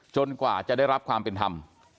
กว่าจะได้รับความเป็นธรรม